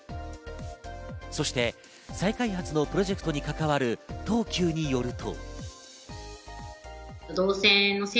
そして再開発のプロジェクトに関わる東急によると。